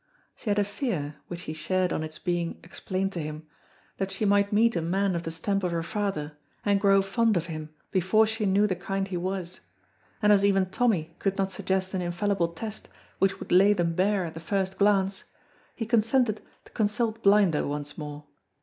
She had a fear, which he shared on its being explained to him, that she might meet a man of the stamp of her father, and grow fond of him before she knew the kind he was, and as even Tommy could not suggest an infallible test which would lay them bare at the first glance, he consented to consult Blinder once more.